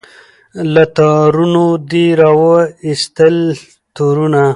له تارونو دي را وایستل تورونه